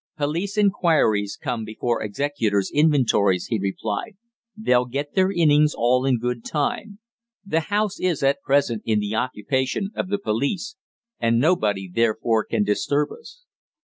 "Police enquiries come before executors' inventories," he replied. "They'll get their innings all in good time. The house is, at present, in the occupation of the police, and nobody therefore can disturb us."